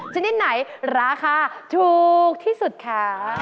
ชนิดไหนราคาถูกที่สุดคะ